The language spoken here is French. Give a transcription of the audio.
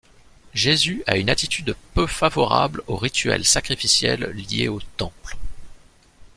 Jesus a une attitude peu favorable aux rituels sacrificiels liés au temple.